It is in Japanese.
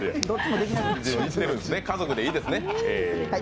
家族でいいですね。